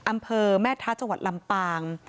อำเภอแม่ท้าจังหวัดลำปาง